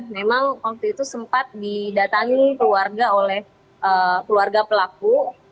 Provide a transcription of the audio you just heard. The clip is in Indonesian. memang waktu itu sempat didatangi keluarga oleh keluarga pelaku